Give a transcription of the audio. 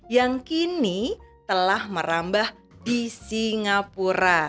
yang kini telah merambah di singapura